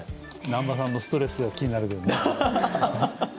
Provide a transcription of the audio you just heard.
南波さんのストレスが気になる。